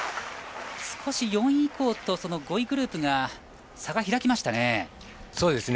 少し４位以降と５位グループが差が開きましたね。